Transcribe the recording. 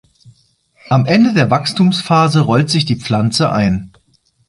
Am Ende der Wachstumsphase rollt sich die Pflanze ein.